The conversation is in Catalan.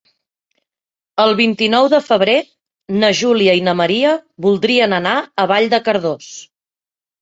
El vint-i-nou de febrer na Júlia i na Maria voldrien anar a Vall de Cardós.